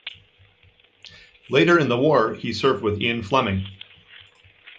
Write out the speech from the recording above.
Later in the war, he served with Ian Fleming.